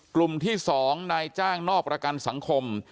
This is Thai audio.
กลุ่มที่๒นายจ้างนอกประกันสังคม